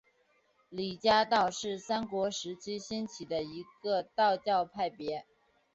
李家道是三国时期兴起的一个道教派别。